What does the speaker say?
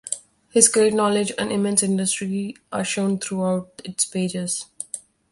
His great knowledge and immense industry are shown throughout its pages.